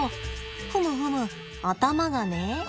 ふむふむ頭がね。